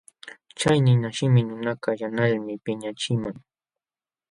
Chay ninashimi nunakaq yanqalmi piñaqchiman.